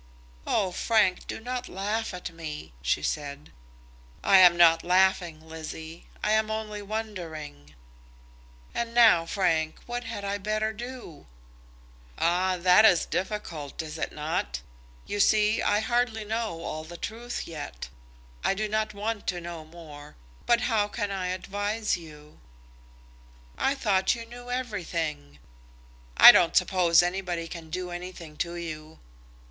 "Oh, Frank, do not laugh at me," she said. "I am not laughing, Lizzie; I am only wondering." "And now, Frank, what had I better do?" "Ah; that is difficult; is it not? You see I hardly know all the truth yet. I do not want to know more, but how can I advise you?" "I thought you knew everything." "I don't suppose anybody can do anything to you."